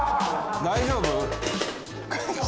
大丈夫？」